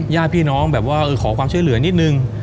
ญาติพี่น้องแบบว่าขอความช่วยเหลือนิดนึง